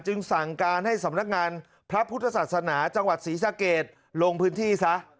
สั่งการให้สำนักงานพระพุทธศาสนาจังหวัดศรีสะเกดลงพื้นที่ซะ